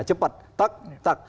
cepat tak tak